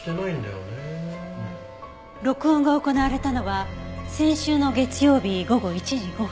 録音が行われたのは先週の月曜日午後１時５分。